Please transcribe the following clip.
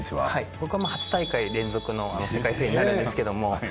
僕は８大会連続の世界水泳になるんですけども。